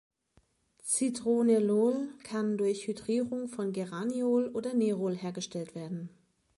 Citronellol kann durch Hydrierung von Geraniol oder Nerol hergestellt werden.